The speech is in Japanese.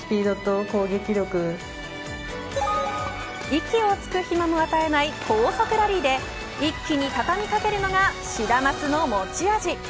息をつく暇も与えない高速ラリーで一気に、畳み掛けるのがシダマツの持ち味。